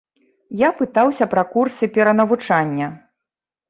Я пытаўся пра курсы перанавучання.